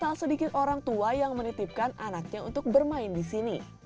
tak sedikit orang tua yang menitipkan anaknya untuk bermain di sini